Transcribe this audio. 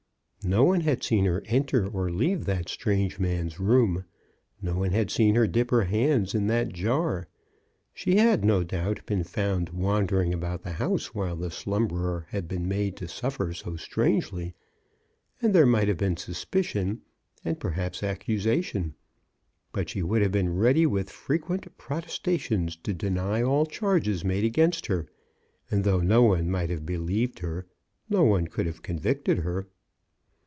No one had seen her enter or leave that strange man's room. No one had seen her dip her hands in that Jar. She had, no doubt, been found wander ing about the house while the slumberer had been made to suffer so strangely, and there might have been suspicion, and perhaps accu 48 CHRISTMAS AT THOMPSON HALL. sation. But she would have been ready with frequent protestations to deny all charges made against her, and though no one might have believed her, no one could have convicted her.